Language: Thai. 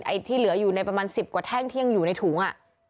ไอ้ที่เหลืออยู่ในประมาณสิบกว่าแท่งที่ยังอยู่ในถูง